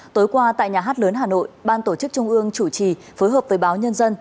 tối qua tại nhà hát lớn hà nội ban tổ chức trung ương chủ trì phối hợp với báo nhân dân